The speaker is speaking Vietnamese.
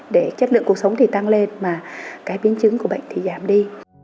để chất lượng cuộc sống tăng lên mà biến chứng của bệnh giảm đi